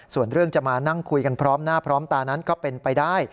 ส่วนเรื่องจะมานั่งคุยกันพร้อมหน้าพร้อมตานั้นก็เป็นไปได้